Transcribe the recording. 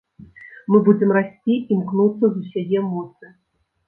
Мы будзем расці, імкнуцца з усяе моцы.